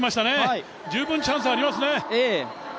十分チャンスはありますね。